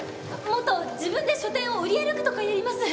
もっと自分で書店を売り歩くとかやります！